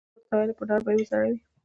ما ورته وویل: په دار به دې وځړوي.